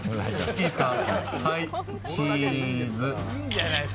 いいですか？